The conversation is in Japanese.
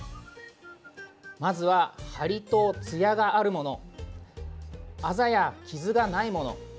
まずは、ハリとツヤがあるものあざや傷がないもの